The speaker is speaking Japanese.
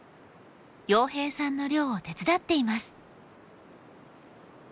洋平さんの漁を手伝っています。